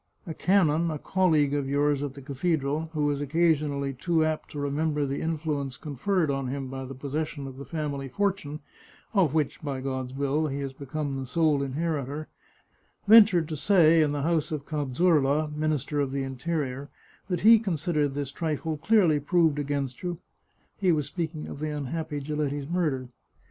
A canon, a colleague of yours at the cathedral, who is occasionally too apt to remember the influence conferred on him by the possession of the family fortune, of which, by God's will, he has become the sole inheritor, ventured to say, in the house of Count Zurla, Minister of the Interior, that he considered this trifle clearly proved against you (he was speaking of the unhappy Gi letti's murder).